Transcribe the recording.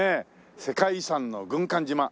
世界遺産の軍艦島。